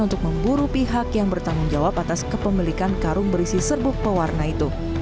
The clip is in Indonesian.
untuk memburu pihak yang bertanggung jawab atas kepemilikan karung berisi serbuk pewarna itu